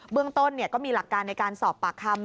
เรื่องต้นก็มีหลักการในการสอบปากคำ